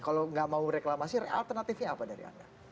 kalau nggak mau reklamasi alternatifnya apa dari anda